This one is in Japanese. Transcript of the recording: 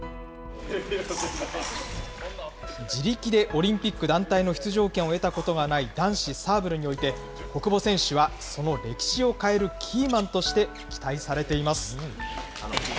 自力でオリンピック団体の出場権を得たことがない男子サーブルにおいて、小久保選手はその歴史を変えるキーマンとして期待されています。